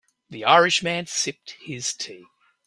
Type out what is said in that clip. The Irish man sipped his tea.